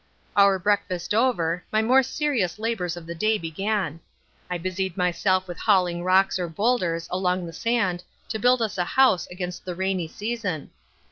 Our breakfast over, my more serious labours of the day began. I busied myself with hauling rocks or boulders along the sand to build us a house against the rainy season.